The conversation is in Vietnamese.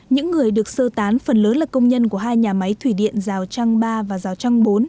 những người được sơ tán phần lớn là công nhân của hai nhà máy thủy điện rào trăng ba và rào trăng bốn